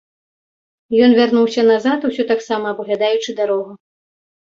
Ён вярнуўся назад, усё таксама абглядаючы дарогу.